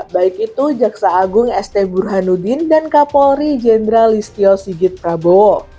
baik itu jaksa agung st burhanuddin dan kapolri jenderal listio sigit prabowo